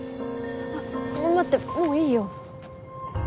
あっ待ってもういいよ。